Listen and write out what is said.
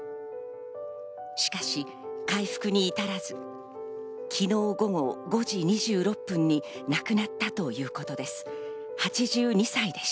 しかし回復に至らず、昨日午後５時２６分に亡くなったということです。